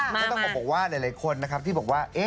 ก็ต้องบอกว่าหลายคนนะครับที่บอกว่า